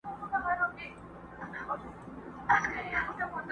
د مرغکیو د عمرونو کورګی!.